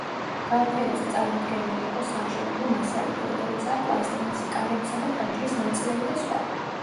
გამოფენაზე წარმოდგენილი იყო სამშენებლო მასალები, როგორიცაა, პლასტმასი, კარებისა და ფანჯრის ნაწილები და სხვა.